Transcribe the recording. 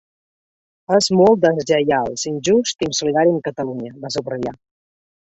És molt deslleials, injust i insolidari amb Catalunya, va subratllar.